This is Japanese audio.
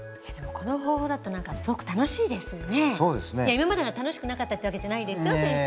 今までが楽しくなかったってわけじゃないですよ先生。